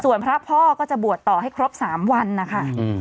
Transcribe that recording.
ส่วนพระพ่อก็จะบวชต่อให้ครบ๓วันนะคะ